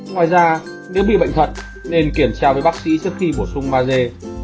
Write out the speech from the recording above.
ngoài ra nếu bị bệnh thật nên kiểm tra với bác sĩ trước khi bổ sung maze